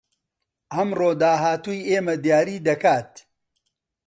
ئەمڕۆ داهاتووی ئێمە دیاری دەکات